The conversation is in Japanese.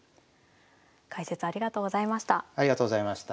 解説ありがとうございました。